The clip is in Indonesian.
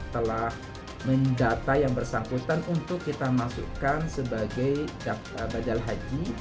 telah mendata yang bersangkutan untuk kita masukkan sebagai badal haji